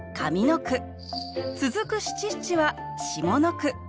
続く七七は下の句。